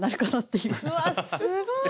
うわあすごい！